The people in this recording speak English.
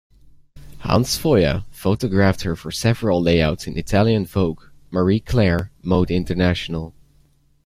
Hans Feurer photographed her for several layouts in Italian Vogue, "Marie Claire", "Mode International'.